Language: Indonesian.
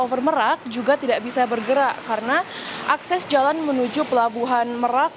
over merak juga tidak bisa bergerak karena akses jalan menuju pelabuhan merak